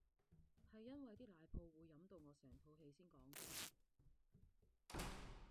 係因為啲奶泡會飲到我成肚氣先講啫